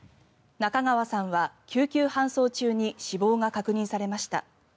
中川さんは救急搬送中に死亡が確認されました。